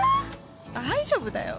大丈夫だよ。